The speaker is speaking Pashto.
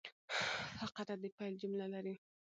فقره د پیل جمله لري.